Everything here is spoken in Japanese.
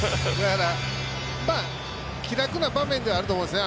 気楽な場面ではあると思うんですよね。